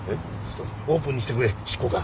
オープンにしてくれ執行官。